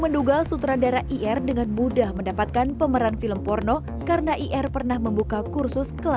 menduga sutradara ir dengan mudah mendapatkan pemeran film porno karena ir pernah membuka kursus